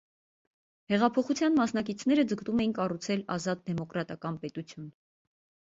Հեղափոխության մասնակիցները ձգտում էին կառուցել ազատ դեմոկրատական պետություն։